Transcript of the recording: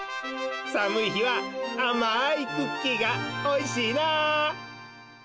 さむい日はあまいクッキーがおいしいなあ！